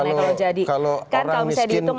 kalau jadi kan kalau misalnya dihitung